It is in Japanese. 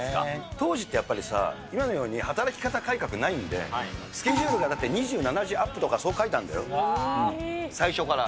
当時ってやっぱりさ、今のように働き方改革ないんで、スケジュールが２７時アップとか、そう書いてあるんだよ、最初から。